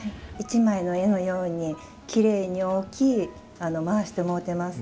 一枚の絵のようにきれいに大きい舞わしてもろてます。